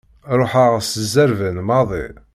Ruḥeɣ s zzerban maḍi.